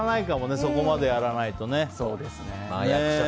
そこまでやらないとね。